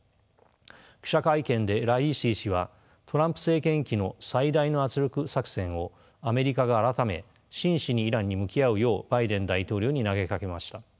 記者会見でライシ師はトランプ政権期の最大の圧力作戦をアメリカが改め真摯にイランに向き合うようバイデン大統領に投げかけました。